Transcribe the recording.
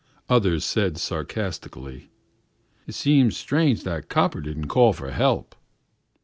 Others said sarcastically, "It seems strange that 'copper' didn't call for help."